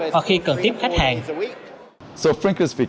hoặc khi cần tiếp khách hàng